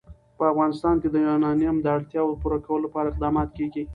په افغانستان کې د یورانیم د اړتیاوو پوره کولو لپاره اقدامات کېږي.